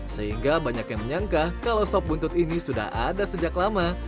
sehingga banyak yang menyangka kalau sop buntut ini sudah ada sejak lama